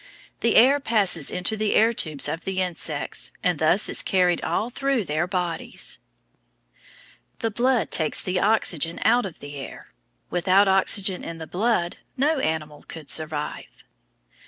The air passes into the air tubes of the insects, and thus is carried all through their bodies. The blood takes the oxygen out of the air. Without oxygen in the blood no animal could live.